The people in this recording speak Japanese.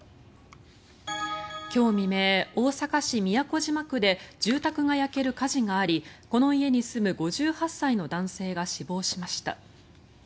今日未明、大阪市都島区で住宅が焼ける火事がありこの家に住む５８歳の男性が死亡しました。